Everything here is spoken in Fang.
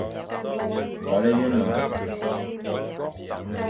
Vale ye ma.